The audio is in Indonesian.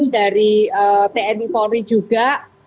dari tni polri juga